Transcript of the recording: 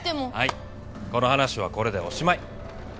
この話はこれでおしまい。